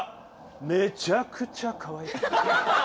めちゃくちゃかわいかった！